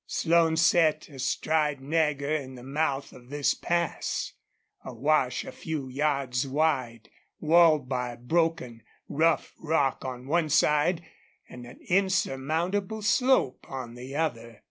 Slone sat astride Nagger in the mouth of this pass a wash a few yards wide, walled by broken, rough rock on one side and an insurmountable slope on the other.